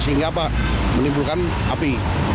sehingga menimbulkan api